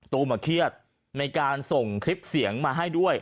ตูมเครียดในการส่งคลิปเสียงมาให้ด้วย